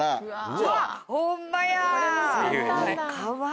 うわ！